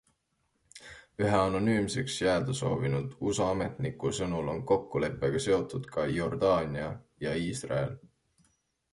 Ühe anonüümseks jääda soovinud USA ametniku sõnul on kokkuleppega seotud ka Jordaania ja Iisrael.